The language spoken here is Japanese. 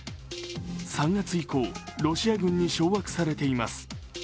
３月以降、ロシア軍に掌握されています。